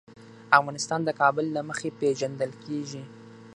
افغانستان د کابل له مخې پېژندل کېږي.